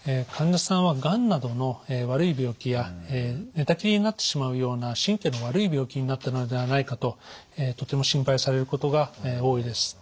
患者さんはがんなどの悪い病気や寝たきりになってしまうような神経の悪い病気になったのではないかととても心配されることが多いです。